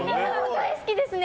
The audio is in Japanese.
大好きですね。